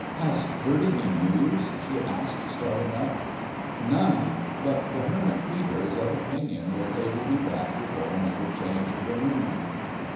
"Hast heard any news?" she asked, starting up. "None. But the hermit Peter is of opinion that they will be back before another change of the moon."